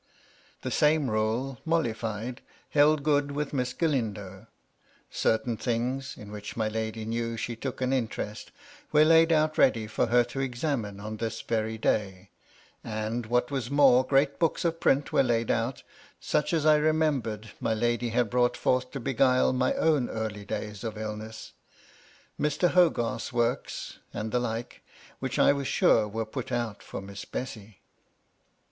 The same rule, modified, held good with Miss Galindo. Certain things, in which my lady knew she took an in terest, were laid out ready for her to examine on this very day ; and, what was more, great books of prints were laid out, such as I remembered my lady had had brought forth to beguile my own early days of illness, — Mr. Hogarth's works, and the like, — which 1 was sure were put out for Miss Bessy.